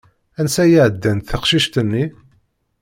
Ansa i ɛeddant teqcicin-nni?